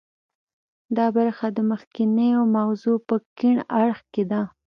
دا برخه د مخنیو مغزو په کیڼ اړخ کې ده